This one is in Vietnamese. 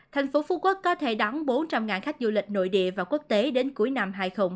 thành phố phú quốc có thể đón bốn trăm linh khách du lịch nội địa và quốc tế đến cuối năm hai nghìn hai mươi bốn